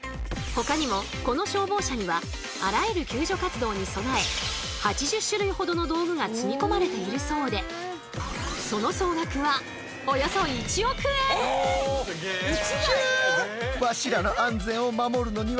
ほかにもこの消防車にはあらゆる救助活動に備え８０種類ほどの道具が積み込まれているそうでその総額はうわすげえ。